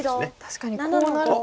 確かにこうなると。